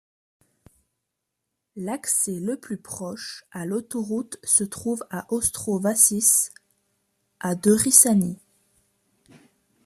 L'accès le plus proche à l'autoroute se trouve à Ostrovačice, à de Říčany.